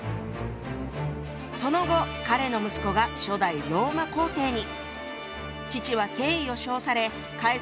その後彼の息子が初代ローマ皇帝に。